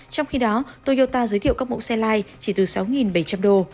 trong khi đó toyota giới thiệu các mẫu xe lai chỉ từ sáu bảy trăm linh đô